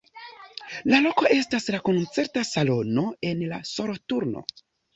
La loko estas la koncerta salono en Soloturno.